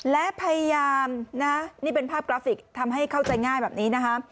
และพยายามนะนี่เป็นภาพกราฟิกทำให้เข้าใจง่ายแบบนี้นะคะ